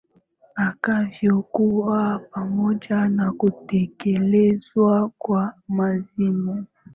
akavyo kuwa pamoja na kutekelezwa kwa maazimio